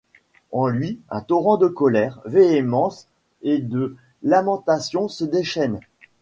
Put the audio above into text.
En lui, un torrent de colère, véhémence et de lamentations se déchaîne.